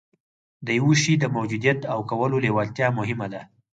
د يوه شي د موجوديت او کولو لېوالتيا مهمه ده.